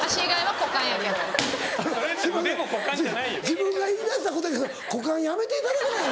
自分が言い出したことやけど股間やめていただけない？